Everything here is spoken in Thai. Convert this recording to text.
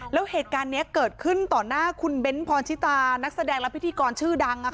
แล้วเหตุการณ์นี้เกิดขึ้นต่อหน้าคุณเบ้นพรชิตานักแสดงและพิธีกรชื่อดัง